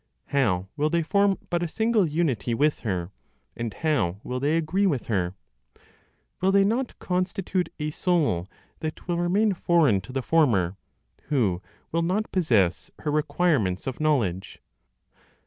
How will they form but a single unity with her, and how will they agree with her? Will they not constitute a soul that will remain foreign to the former, who will not possess her requirements of knowledge?